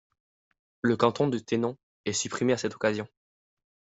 Le canton de Thenon est supprimé à cette occasion.